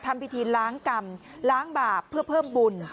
ทำพิธีล้างกรรมล้างบาปเพื่อเพิ่มบุญ